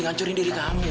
ngancurin diri kamu